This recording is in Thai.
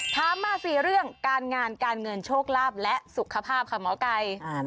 ถามมา๔เรื่องการงานการเงินโชคลาภและสุขภาพค่ะหมอไก่